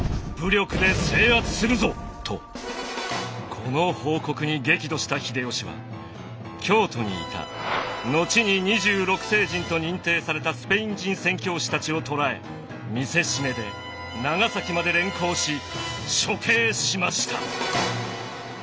この報告に激怒した秀吉は京都にいた後に二十六聖人と認定されたスペイン人宣教師たちを捕らえ見せしめで長崎まで連行し処刑しました。